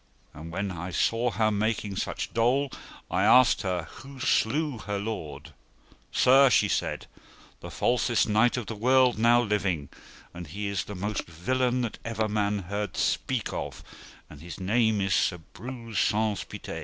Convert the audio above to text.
And when I saw her making such dole, I asked her who slew her lord. Sir, she said, the falsest knight of the world now living, and he is the most villain that ever man heard speak of and his name is Sir Breuse Saunce Pité.